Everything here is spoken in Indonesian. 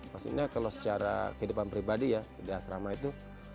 maksudnya kalau secara kehidupan pribadi ya di asrama itu